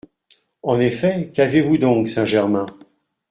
En effet, qu’avez-vous donc, Saint-Germain ?…